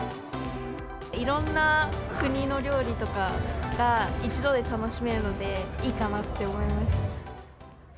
いろんな国の料理とかが一度で楽しめるので、いいかなって思いました。